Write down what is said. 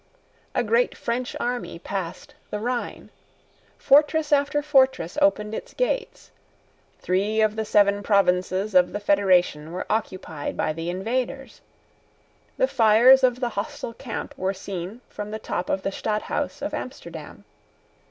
A great French army passed the Rhine. Fortress after fortress opened its gates. Three of the seven provinces of the federation were occupied by the invaders. The fires of the hostile camp were seen from the top of the Stadthouse of Amsterdam.